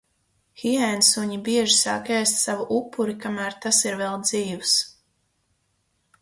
Hiēnsuņi bieži sāk ēst savu upuri, kamēr tas ir vēl dzīvs.